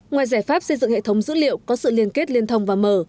ngoài giải pháp xây dựng hệ thống dữ liệu có sự liên kết liên thông và mở